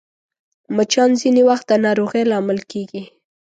مچان ځینې وخت د ناروغۍ لامل کېږي